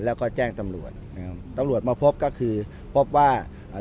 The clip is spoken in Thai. แล้วก็แจ้งตำรวจนะครับตำรวจมาพบก็คือพบว่าอ่า